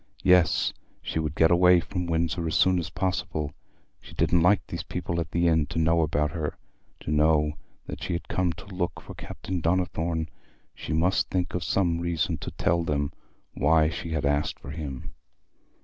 Yes, she would get away from Windsor as soon as possible: she didn't like these people at the inn to know about her, to know that she had come to look for Captain Donnithorne. She must think of some reason to tell them why she had asked for him.